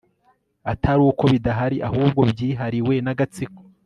atari uko bidahari, ahubwo byihariwe n'agatsiko